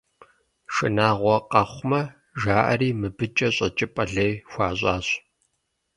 Шынагъуэ къэхъумэ, жаӏэри, мыбыкӏэ щӏэкӏыпӏэ лей хуащӏащ.